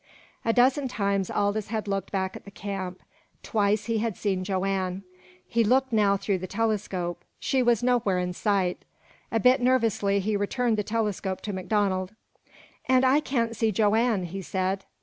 A dozen times Aldous had looked back at the camp. Twice he had seen Joanne. He looked now through the telescope. She was nowhere in sight. A bit nervously he returned the telescope to MacDonald. "And I can't see Joanne," he said.